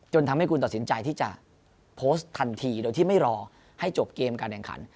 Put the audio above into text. ทำให้คุณตัดสินใจที่จะโพสต์ทันทีโดยที่ไม่รอให้จบเกมการแข่งขัน